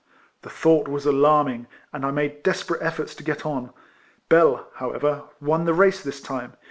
The thought was alarming; and I made desperate eftorts to get on. Bell, however, won the race this time.